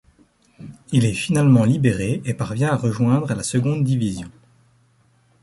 Il est finalement libéré et parvient à rejoindre la seconde division.